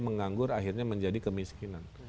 menganggur akhirnya menjadi kemiskinan